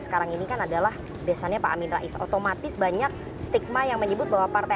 sekarang ini kan adalah desanya pak amin rais otomatis banyak stigma yang menyebut bahwa partai